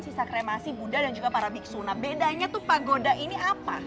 sisa kremasi buddha dan juga para biksu nah bedanya tuh pagoda ini apa